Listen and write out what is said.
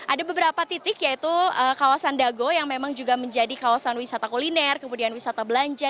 ada beberapa titik yaitu kawasan dago yang memang juga menjadi kawasan wisata kuliner kemudian wisata belanja